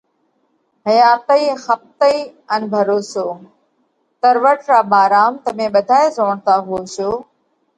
حياتئِي ۿپتئِي ان ڀروسو: تروٽ را ڀارام تمي ٻڌائي زوڻتا هوشو۔